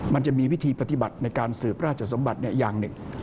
มันจะมีวิธีปฏิบัติในการสืบราชสมบัติอย่างหนึ่ง